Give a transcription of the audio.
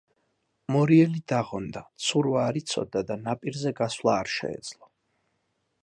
მორიელი დაღონდა, ცურვა არ იცოდა და ნაპირზე გასვლა არ შეეძლო.